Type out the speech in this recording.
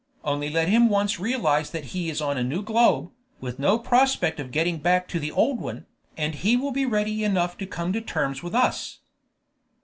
Only let him once realize that he is on a new globe, with no prospect of getting back to the old one, and he will be ready enough to come to terms with us."